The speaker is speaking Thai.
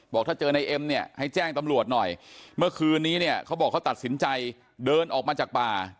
บอกถ้าเจอในเอ็มเนี่ยให้แจ้งตำรวจหน่อยเมื่อคืนนี้เนี่ยเขาบอกเขาตัดสินใจเดินออกมาจากป่า